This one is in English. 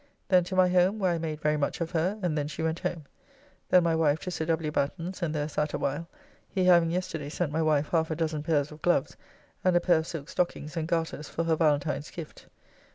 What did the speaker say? Then to my home, where I made very much of her, and then she went home. Then my wife to Sir W. Batten's, and there sat a while; he having yesterday sent my wife half a dozen pairs of gloves, and a pair of silk stockings and garters, for her Valentine's gift.